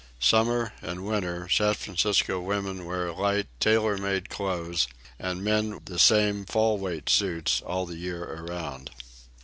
Summer and winter San Francisco women wear light tailor made clothes, and men wear the same fall weight suits all the year around.